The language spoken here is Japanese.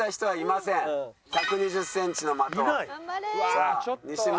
さあ西村。